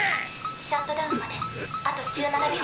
シャットダウンまであと１７秒。